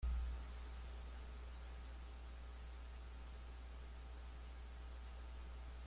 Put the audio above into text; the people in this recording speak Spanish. La propia Capdevila considera a este personaje una criatura especial.